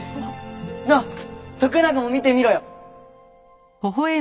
なあ徳永も見てみろよ！